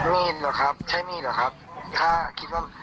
มีดเหรอครับใช่มีดเหรอครับ